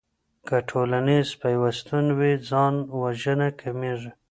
که ټولنيز پيوستون وي ځان وژنه کميږي.